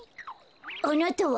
あなたは？